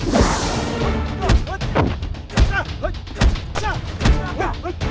itulah yang aku tunggu